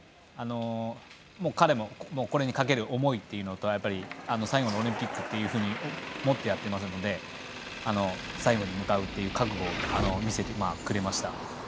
彼もこれにかける思いっていうのを最後のオリンピックというふうに思ってやってますので最後に向かうという覚悟を見せてくれました。